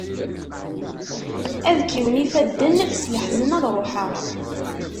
Ad kkiwen ifadden, s leḥzen ad ruḥeɣ.